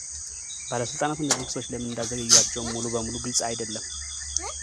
ባለሥልጣናቱ እነዚህን ክሶች ለምን እንዳዘገይዋቸውም ሙሉ በሙሉ ግልጽ አይደለም።